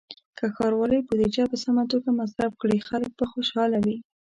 که ښاروالۍ بودیجه په سمه توګه مصرف کړي، خلک به خوشحاله وي.